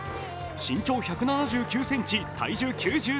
身長１７９ｃｍ体重９７ｋｇ